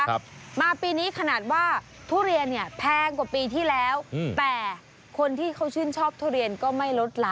ครับมาปีนี้ขนาดว่าทุเรียนเนี่ยแพงกว่าปีที่แล้วอืมแต่คนที่เขาชื่นชอบทุเรียนก็ไม่ลดละ